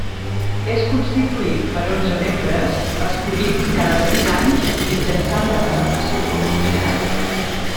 És constituït per onze membres, escollits cada sis anys mitjançant representació proporcional.